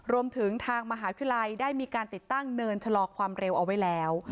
รวมถึงทางมหาวิทยาลัยได้มีการติดตั้งเนินชะลอความเร็วเอาไว้แล้ว